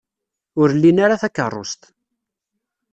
Ur lin ara takeṛṛust.